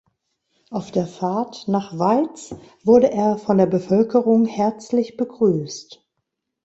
Auf der Fahrt nach Weiz wurde er von der Bevölkerung herzlich begrüßt.